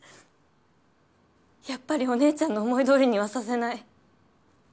やっぱりお姉ちゃんの思い通りにはさせない。